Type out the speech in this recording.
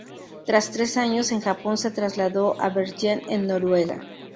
Tras tres años en Japón se trasladó a Bergen en Noruega.